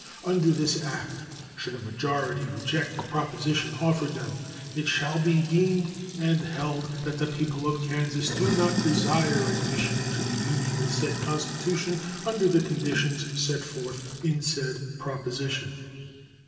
Under this act, should a majority reject the proposition offered them, "it shall be deemed and held that the people of Kansas do not desire admission into the Union with said constitution under the conditions set forth in said proposition."